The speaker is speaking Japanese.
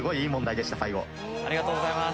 ありがとうございます。